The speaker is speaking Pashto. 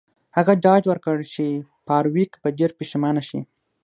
هغه ډاډ ورکړ چې فارویک به ډیر پښیمانه شي